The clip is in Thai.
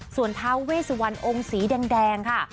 ส่วนท้าเวสวันองค์สีแดงค่ะ